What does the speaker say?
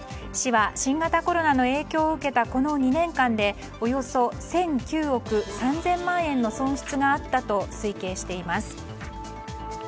市は新型コロナの影響を受けたこの２年間でおよそ１００９億３０００万円の損失があったと推計しています。